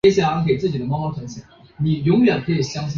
竹山淫羊藿为小檗科淫羊藿属下的一个种。